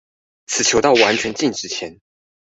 此球到完全靜止前